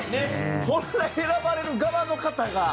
本来選ばれる側の方が。